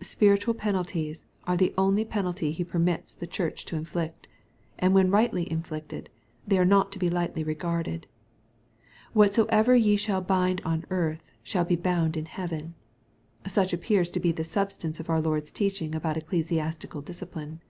Spiritual penalties are the only penalty He permits the Church to inflict, and when rightly inflicted, they are not to be lightly re garded. " Whatsoever ye shall bind on earth shall be bound in heaven." Such appears to be the substance of our Lord's teaching about ecclesiastical discipline.